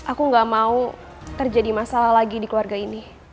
aku gak mau terjadi masalah lagi di keluarga ini